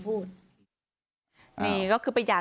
ทรัพย์สินที่เป็นของฝ่ายหญิง